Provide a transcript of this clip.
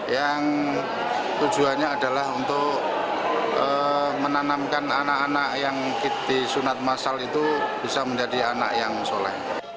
yang tujuannya adalah untuk menanamkan anak anak yang disunat masal itu bisa menjadi anak yang soleh